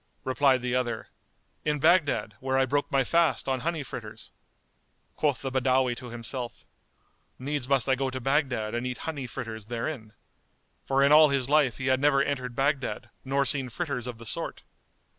Replied the other, "In Baghdad where I broke my fast on honey fritters."[FN#207] Quoth the Badawi to himself, "Needs must I go to Baghdad and eat honey fritters therein"; for in all his life he had never entered Baghdad nor seen fritters of the sort.